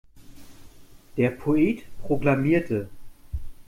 Der Poet proklamierte.